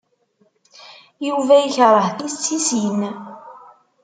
Yuba yekṛeh tissisin.